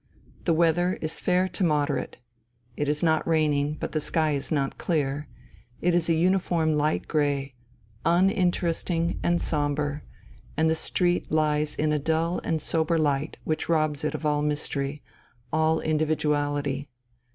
The weather is fair to moderate. It is not raining, but the sky is not clear; it is a uniform light grey, uninteresting and sombre, and the street lies in a dull and sober light which robs it of all mystery, all individuality.